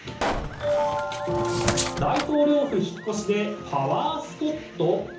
大統領府引っ越しでパワースポット？